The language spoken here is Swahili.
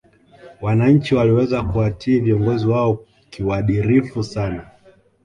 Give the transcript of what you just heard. wananchi waliweza kuwatii viongozi wao kiuadirifu sana